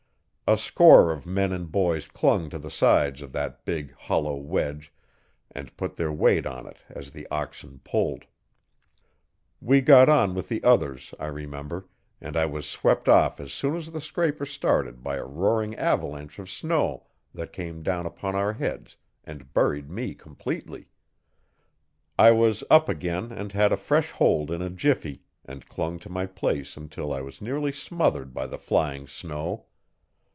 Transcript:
A score of men and boys clung to the sides of that big, hollow wedge, and put their weight on it as the oxen pulled. We got on with the others, I remember, and I was swept off as soon as the scraper started by a roaring avalanche of snow that came down upon our heads and buried me completely. I was up again and had a fresh hold in a jiffy, and clung to my place until I was nearly smothered by the flying snow.